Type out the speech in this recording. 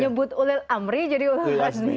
nyebut ulul amri jadi ulul azmi